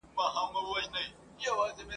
خلک ئې باید زیارت ته ورسي.